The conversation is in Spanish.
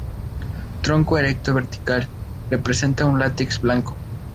Tronco erecto vertical, presenta un látex blanco.